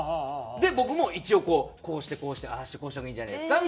で僕も一応こう「こうしてこうしてああしてこうした方がいいんじゃないですか？」